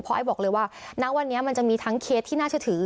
ไอ้บอกเลยว่าณวันนี้มันจะมีทั้งเคสที่น่าเชื่อถือ